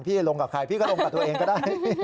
จะลงกับใครพี่ก็ลงกับตัวเองก็ได้